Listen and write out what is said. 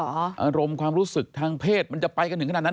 อารมณ์ความรู้สึกทางเพศมันจะไปกันถึงขนาดนั้น